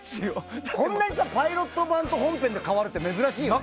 こんなにパイロット版と本編で変わるって珍しいよね。